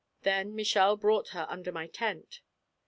Then Michel brought her under my tent.